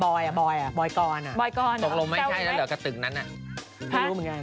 ตอนนี้เรียกว่าเป็นแบบตำแหน่งเจ้าแม่พรีเซนเตอร์กันเลยทีเดียวนะคะ